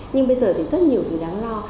nhưng bây giờ thì rất nhiều thứ đáng lo